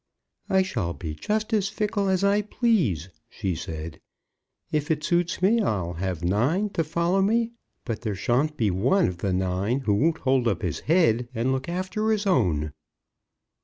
"I shall be just as fickle as I please," she said. "If it suits me I'll have nine to follow me; but there shan't be one of the nine who won't hold up his head and look after his own."